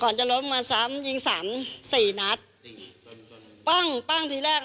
จะล้มมาซ้ำยิงสามสี่นัดสี่ปั้งปั้งทีแรก